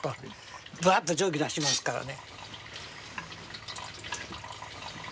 ぶわっと蒸気出しますからね。